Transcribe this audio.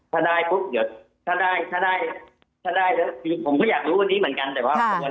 ถ้าได้ปุ๊บเดี๋ยวถ้าได้ถ้าได้ถ้าได้แล้วผมก็อยากรู้วันนี้เหมือนกัน